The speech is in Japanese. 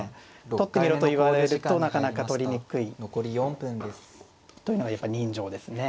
取ってみろと言われるとなかなか取りにくいというのはやっぱ人情ですね。